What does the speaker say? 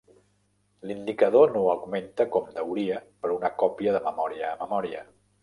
L"indicador no augmenta com deuria per a una còpia de memòria a memòria.